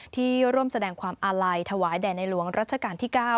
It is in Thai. ที่ร่วมแสดงความอาลัยถวายแด่ในหลวงรัชกาลที่๙